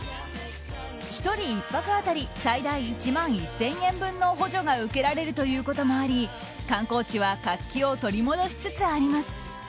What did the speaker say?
１人１泊当たり最大１万１０００円分の補助が受けられるということもあり観光地は活気を取り戻しつつあります。